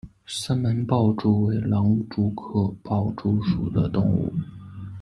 三门豹蛛为狼蛛科豹蛛属的动物。